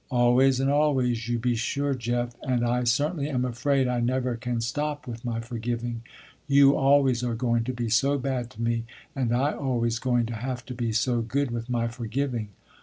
"Always and always, you be sure Jeff, and I certainly am afraid I never can stop with my forgiving, you always are going to be so bad to me, and I always going to have to be so good with my forgiving."